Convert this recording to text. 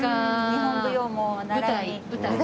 日本舞踊も習いに。